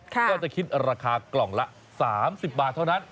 ก็จะคิดราคากล่องละ๓๐บาทเท่านั้น